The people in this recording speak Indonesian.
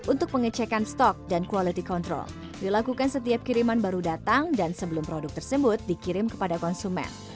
untuk pengecekan stok dan quality control dilakukan setiap kiriman baru datang dan sebelum produk tersebut dikirim kepada konsumen